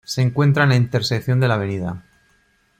Se encuentra en la intersección de la Av.